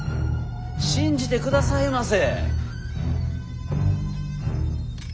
信じてくださいませ。